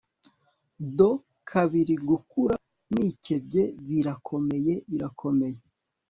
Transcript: De kabiri gukura Nikebye birakomeye birakomeye